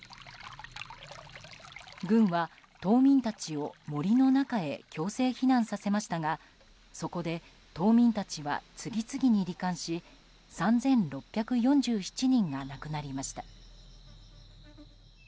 軍は島民たちを森の中へ強制避難させましたがそこで島民たちは次々に罹患し３６４７人が亡くなりました。